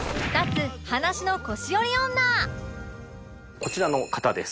こちらの方です。